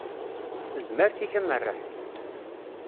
S tezmert-ik amerreḥ.